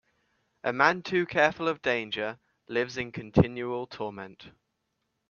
A man too careful of danger lives in continual torment.